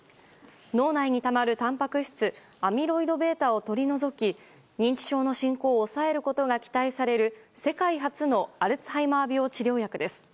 脳内にたまるたんぱく質アミロイドベータを取り除き認知症の進行を抑えることが期待される世界初のアルツハイマー病治療薬です。